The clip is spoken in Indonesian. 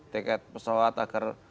tiket pesawat agar